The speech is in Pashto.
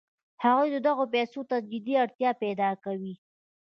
هغه دغو پیسو ته جدي اړتیا پیدا کوي